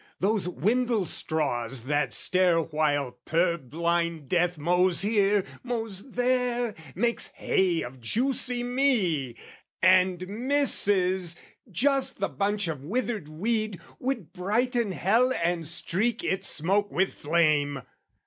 Those windle straws that stare while purblind death Mows here, mows there, makes hay of juicy me, And misses, just the bunch of withered weed, Would brighten hell and streak its smoke with flame!